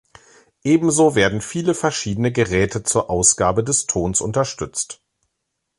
Ebenso werden viele verschiedene Geräte zur Ausgabe des Tons unterstützt.